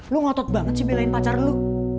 lu ngotot banget sih belain pacar lu